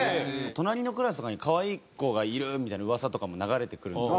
隣のクラスとかに可愛い子がいるみたいな噂とかも流れてくるんですよ。